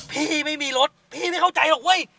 พี่ไม่มีรถพี่ไม่เข้าใจหรอกเว้ย